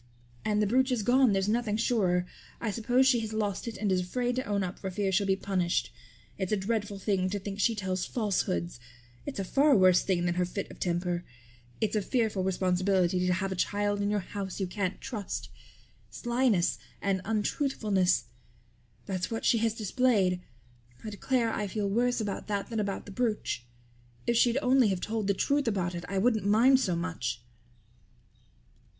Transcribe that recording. And the brooch is gone, there's nothing surer. I suppose she has lost it and is afraid to own up for fear she'll be punished. It's a dreadful thing to think she tells falsehoods. It's a far worse thing than her fit of temper. It's a fearful responsibility to have a child in your house you can't trust. Slyness and untruthfulness that's what she has displayed. I declare I feel worse about that than about the brooch. If she'd only have told the truth about it I wouldn't mind so much."